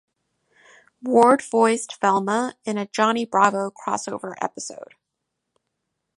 Ward voiced Velma in a Johnny Bravo crossover episode.